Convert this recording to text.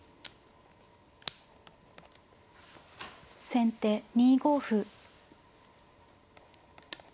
先手２五歩。